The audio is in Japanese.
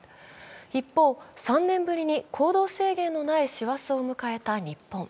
一方、３年ぶりに行動制限のない師走を迎えた日本。